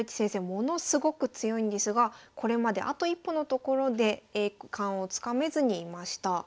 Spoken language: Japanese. ものすごく強いんですがこれまであと一歩のところで栄冠をつかめずにいました。